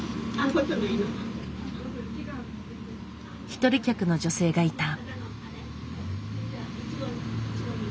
一人客の女性がいた。